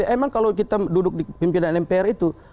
emang kalau kita duduk di pimpinan mpr itu